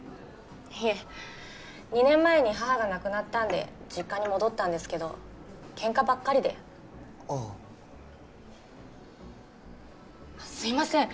いえ２年前に母が亡くなったんで実家に戻ったんですけどケンカばっかりでああすいません